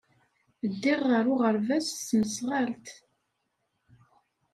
Ddiɣ ɣer uɣerbaz s tesnasɣalt.